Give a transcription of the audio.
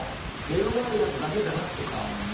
目の前のやつだけじゃなくてさ。